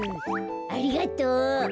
ありがとう。